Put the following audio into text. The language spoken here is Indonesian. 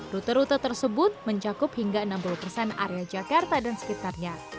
rute rute tersebut mencakup hingga enam puluh persen area jakarta dan sekitarnya